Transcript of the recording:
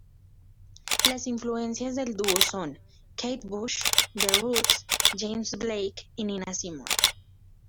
Las influencias del dúo son: Kate Bush, The Roots, James Blake y Nina Simone.